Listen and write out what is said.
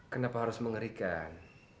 kenapa harus mengerikan